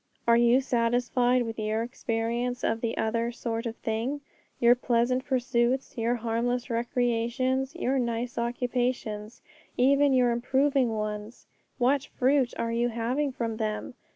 Are you satisfied with your experience of the other 'sort of thing'? Your pleasant pursuits, your harmless recreations, your nice occupations, even your improving ones, what fruit are you having from them?